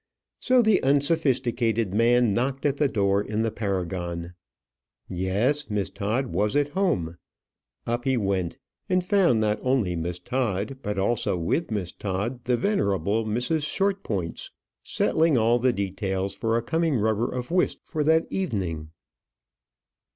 So the unsophisticated man knocked at the door in the Paragon. Yes; Miss Todd was at home. Up he went, and found not only Miss Todd, but also with Miss Todd the venerable Mrs. Shortpointz, settling all the details for a coming rubber of whist for that evening.